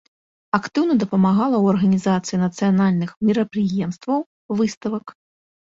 Актыўна дапамагала ў арганізацыі нацыянальных мерапрыемстваў, выставак.